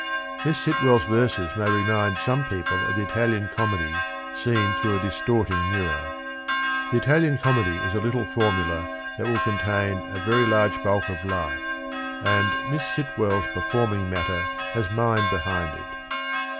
Miss Sitwell's verses may remind some people of the Italian Comedy seen through a distorting mirror. ... The Italian Comedy is a little formula that will contain a very large bulk of life, and ... Miss Sitwell's performing matter has mind behind it.